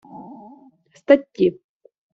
Статті